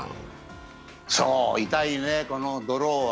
そう、痛いね、このドロー。